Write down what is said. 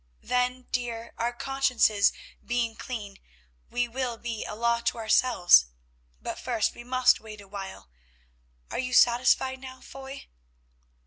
"Then, dear, our consciences being clean, we will be a law to ourselves. But first we must wait a while. Are you satisfied now, Foy?"